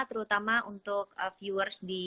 terutama untuk viewers di